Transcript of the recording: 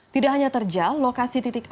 tidak hanya terjal lokasi titik api